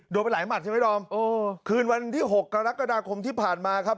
ไปหลายหมัดใช่ไหมดอมโอ้คืนวันที่หกกรกฎาคมที่ผ่านมาครับ